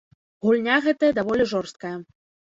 Гульня гэтая даволі жорсткая.